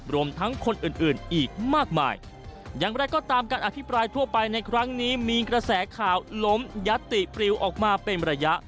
รวมทั้งคนอื่นอื่นอีกมากมายอย่างไรก็ตามการอภิปรายทั่วไปในครั้งนี้มีกระแสข่าวล้มยัตติปลิวออกมาเป็นระยะ